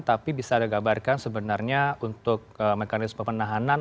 tapi bisa digabarkan sebenarnya untuk mekanisme penahanan